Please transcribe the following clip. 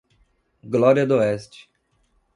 Glória d'Oeste